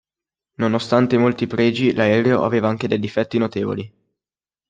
Nonostante i molti pregi, l'aereo aveva anche dei difetti notevoli.